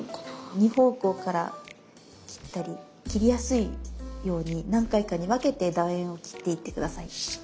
二方向から切ったり切りやすいように何回かに分けてだ円を切っていって下さい。